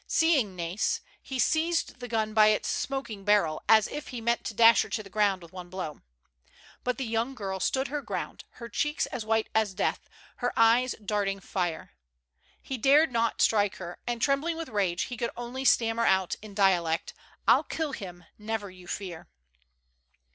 Seeing Nais, he seized the gun by its smoking barrel, as if he meant to dash her to the earth with one blow. But the young girl stood her ground, her cheeks as white as death, her eyes darting fire. He dared not strike her, and, trembling with rage, he could only stammer out in dialect :" I'll kill him, never you fear